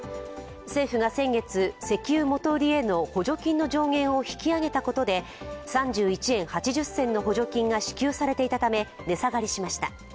政府が先月、石油元売りへの補助金の上限を引き上げたことで３１円８０銭の補助金が支給されていたため、値下がりしました。